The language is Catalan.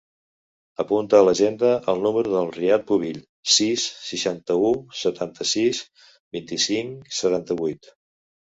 Apunta a l'agenda el número del Riad Pubill: sis, seixanta-u, setanta-sis, vint-i-cinc, setanta-vuit.